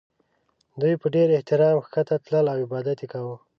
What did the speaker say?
دوی په ډېر احترام ښکته تلل او عبادت یې کاوه.